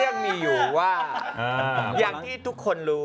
ยังมีอยู่ว่าอย่างที่ทุกคนรู้